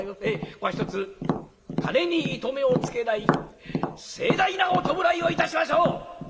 ここはひとつ金に糸目をつけない盛大なお葬式をいたしましょう！」。